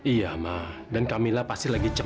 iya ma dan kamilah pasti lagi cemang